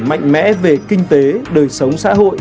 mạnh mẽ về kinh tế đời sống xã hội